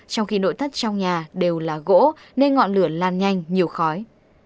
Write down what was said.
trong khi nội thất trong nhà đều là gỗ nên ngọn lửa lan nhanh nhiều khói